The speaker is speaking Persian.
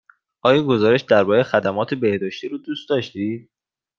آیا گزارش درباره خدمات بهداشتی را دوست داشتید؟